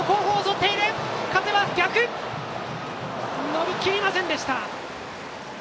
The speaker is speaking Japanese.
伸びきりませんでした。